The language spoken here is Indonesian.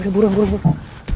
udah buruan gua lupa